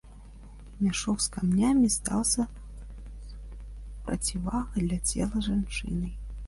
Мяшок з камянямі стаўся процівагай для цела жанчыны.